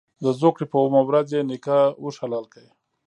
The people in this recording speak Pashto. د زوکړ ې په اوومه ورځ یې نیکه اوښ حلال کړ.